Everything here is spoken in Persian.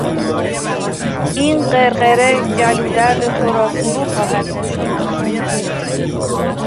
این غرغره گلو درد تو را فرو خواهد نشاند.